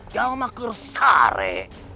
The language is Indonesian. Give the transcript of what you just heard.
jauh makir sare